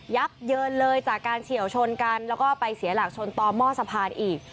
ับเยินเลยจากการเฉียวชนกันแล้วก็ไปเสียหลักชนต่อหม้อสะพานอีก